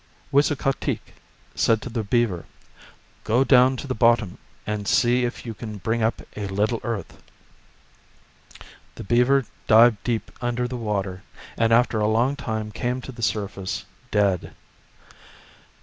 Wisukateak said to the beaver, "Go down to the bottom and see if you can bring up a little earth." The beaver dived deep under the water, and after a long time came to the surface dead.